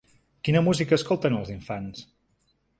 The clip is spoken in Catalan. Quina música escolten els infants?